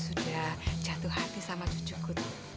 sudah jatuh hati sama cucuku